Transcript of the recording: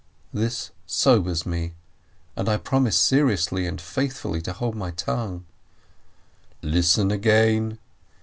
This sobers me, and I promise seriously and faith fully to hold my tongue. "Listen again.